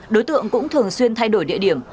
đối tượng cũng thường xuyên thay đổi địa điểm